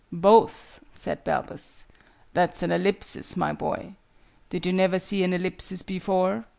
"Both," said Balbus. "That's an Ellipsis, my boy. Did you never see an Ellipsis before?"